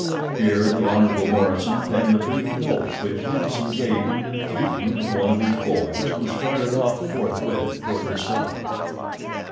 Here the Hon. Morison penned a brief note, which Hanson gave into the keeping of one of his boys who started off forthwith toward the south.